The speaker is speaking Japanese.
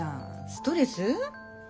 ストレス？